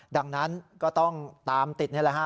ดังนั้นก็ต้องตามติดนะฮะ